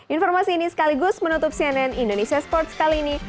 informasi ini sekaligus menutup cnn indonesia sports kali ini